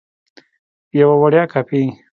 یوه وړیا کاپي